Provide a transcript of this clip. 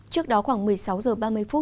trước đó khoảng một mươi sáu h ba mươi